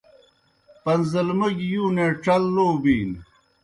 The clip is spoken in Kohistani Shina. پَن٘زلمَوْگیْ یُونے ڇل لو بِینوْ۔